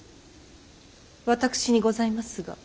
私にございますが。